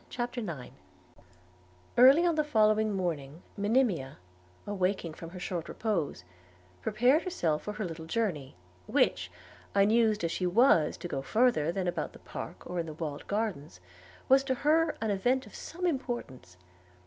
CHAPTER IX EARLY on the following morning, Monimia, awaking from her short repose, prepared herself for her little journey, which, unused as she was to go further than about the park or in the walled gardens, was to her an event of some importance.